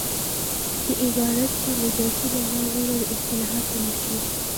یو عبارت چې مجازي مانا ولري اصطلاح بلل کیږي